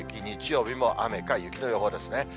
日曜日も雨か雪の予報ですね。